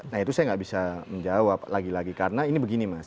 nah itu saya nggak bisa menjawab lagi lagi karena ini begini mas